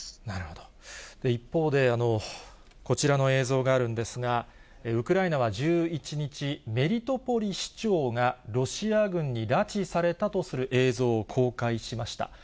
なるほど、一方で、こちらの映像があるんですが、ウクライナは１１日、メリトポリ市長がロシア軍に拉致されたとする映像を公開しました。